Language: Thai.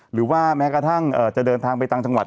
หรือว่าแม้กระทั่งจะเดินทางไปต่างจังหวัด